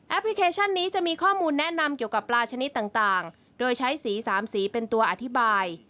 พลิเคชันนี้จะมีข้อมูลแนะนำเกี่ยวกับปลาชนิดต่างโดยใช้สีสามสีเป็นตัวอธิบาย